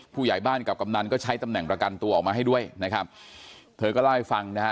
ผู้ใหญ่บ้านกับกำนันก็ใช้ตำแหน่งประกันตัวออกมาให้ด้วยนะครับเธอก็เล่าให้ฟังนะฮะ